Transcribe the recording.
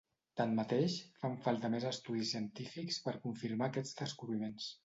Tanmateix, fan falta més estudis científics per confirmar aquests descobriments.